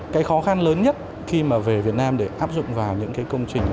cái khó khăn lớn nhất khi mà về việt nam để áp dụng vào những cái công trình